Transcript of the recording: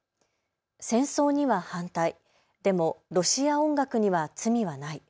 戦争には反対、でもロシア音楽には罪はない。